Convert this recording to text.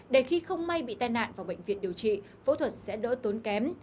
để khi không may bị tai nạn vào bệnh viện điều trị phẫu thuật sẽ đỡ tốn kém